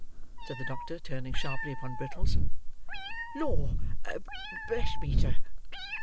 said the doctor, turning sharply upon Brittles. "Lord bless me, sir!"